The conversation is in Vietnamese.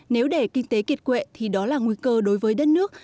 nếu để kinh tế kiệt quệ thì đó là nguy cơ đối với đất nước